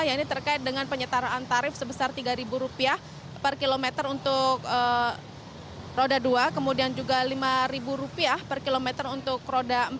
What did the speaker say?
yang ini terkait dengan penyetaraan tarif sebesar rp tiga per kilometer untuk roda dua kemudian juga rp lima per kilometer untuk roda empat